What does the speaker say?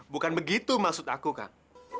bukan begitu maksud aku kan